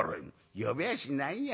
「呼びやしないよ。